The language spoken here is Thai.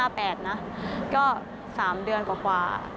ของปี๕๘นะก็๓เดือนกว่า